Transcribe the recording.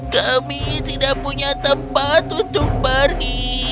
kami tidak punya tempat untuk pergi